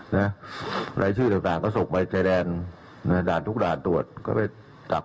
นะหลายชื่นสำคัญก็ส่งไปแจดแดนอ่าด่านทุกด่านตรวจก็ได้จัก